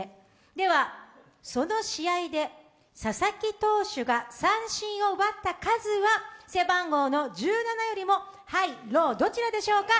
ではその試合で佐々木投手が三振を奪った数は背番号の１７よりもハイ、ローどちらでしょうか？